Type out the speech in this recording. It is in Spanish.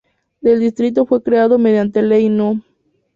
Del distrito fue creado mediante Ley No.